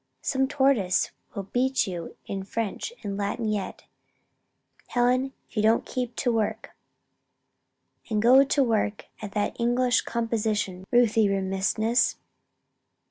some tortoise will beat you in French and Latin yet, Helen, if you don't keep to work. And go to work at that English composition, Ruthie Remissness!